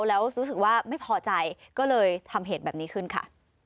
แล้วรู้สึกว่าไม่พอใจก็เลยทำเหตุแบบนี้ขึ้นค่ะ